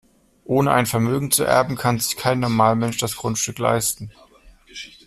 Ohne ein Vermögen zu erben, kann sich kein Normalmensch das Grundstück leisten.